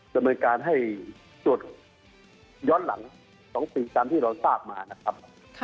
ดำเนินการให้ตรวจย้อนหลัง๒ปีตามที่เราทราบมานะครับ